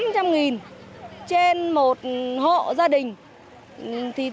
tám trăm linh đồng trên một hộ gia đình